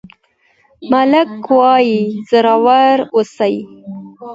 ملک وویل زړور اوسئ.